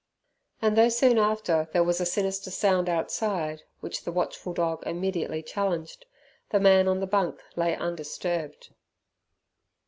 And though soon after there was a sinister sound outside, which the watchful dog immediately challenged, the man on the bunk lay undisturbed.